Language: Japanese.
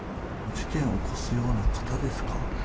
事件を起こすような方ですか？